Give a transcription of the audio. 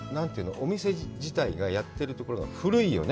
お店自体がやってるところが古いよね。